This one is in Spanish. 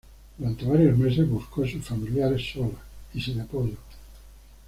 Durante varios meses buscó a sus familiares sola y sin apoyo.